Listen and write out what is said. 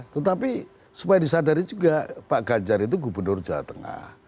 tetapi supaya disadari juga pak ganjar itu gubernur jawa tengah